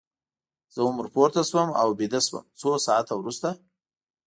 زه هم ور پورته شوم او ویده شوم، څو ساعته وروسته.